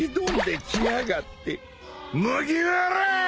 麦わらぁ！